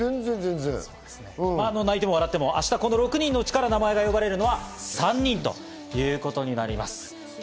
泣いても笑っても明日この６人のうちから名前が呼ばれるのは３人ということになります。